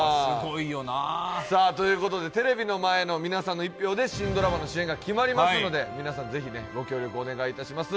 テレビの前の皆さんの一票で新ドラマの主演が決まりますので、皆さん、ぜひご協力お願いいたします。